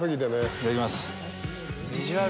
いただきます。